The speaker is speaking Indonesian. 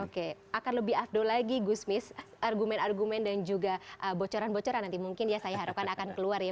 oke akan lebih afdol lagi gusmis argumen argumen dan juga bocoran bocoran nanti mungkin ya saya harapkan akan keluar ya